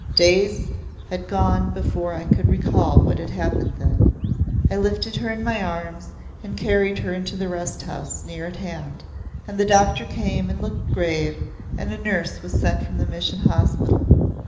Days had gone before I could recall what had happened then. I lifted her in my arms and carried her into the rest house near at hand, and the doctor came and looked grave, and a nurse was sent from the Mission Hospital.